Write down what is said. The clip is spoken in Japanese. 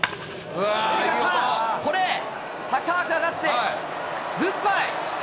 さあ、これ、高く上がって、グッバイ。